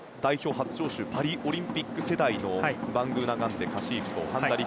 初招集パリオリンピック世代のバングーナガンデ佳史扶と半田陸。